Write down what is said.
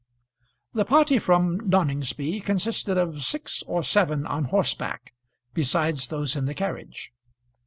The party from Noningsby consisted of six or seven on horseback, besides those in the carriage.